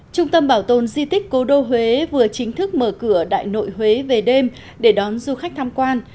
trung tâm bảo tồn di tích cố đô huế vừa chính thức mở cửa đại nội huế về đêm để đón du khách tham quan